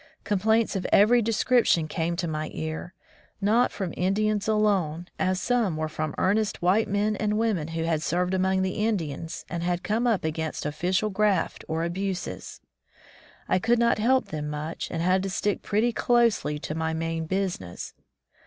Complaints of every description came to my ear, not from Indians alone, as some were from earnest white men and women who had served among the Indians and had come up against official graft or abuses. I could not help them much, and had to stick pretty closely to my main business.